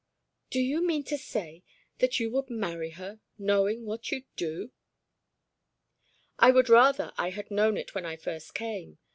"Do you mean to say that you would marry her, knowing what you do?" "I would rather I had known it when I first came.